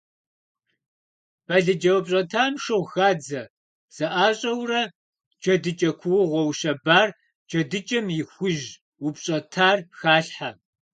Балыджэ упщӏэтам шыгъу хадзэ, зэӏащӏэурэ джэдыкӏэ кугъуэ ущэбар, джэдыкӏэм и хужь упщӏэтар халъхьэ.